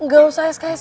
gak usah sks